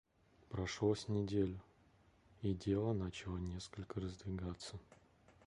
Прошло с неделю, и дело начало несколько раздвигаться.